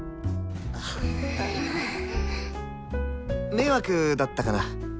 迷惑だったかな？